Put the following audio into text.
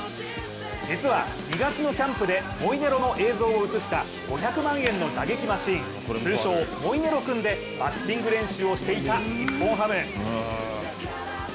実は２月のキャンプでモイネロの映像を映した５００万円の打撃マシン、通称・モイネロ君でバッティング練習をしていた日本ハム。